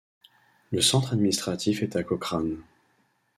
Le centre administratif est à Cochrane.